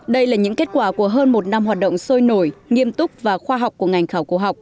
đây là những kết quả của hơn một năm hoạt động sôi nổi nghiêm túc và khoa học của ngành khảo cổ học